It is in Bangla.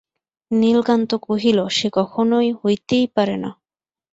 নীলকান্ত কহিল–সে কখনো হইতেই পারে না।